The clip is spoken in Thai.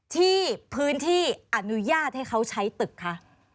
ที่พื้นที่อนุญาตให้เขาใช้ตึกคะ